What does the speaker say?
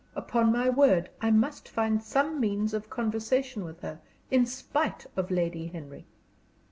"Upon my word, I must find some means of conversation with her, in spite of Lady Henry."